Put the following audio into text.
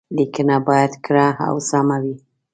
ليکنه بايد کره او سمه وي.